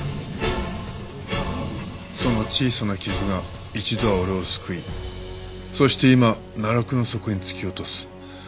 その小さな傷が一度は俺を救いそして今奈落の底に突き落とす。